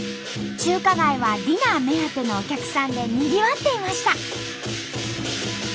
中華街はディナー目当てのお客さんでにぎわっていました。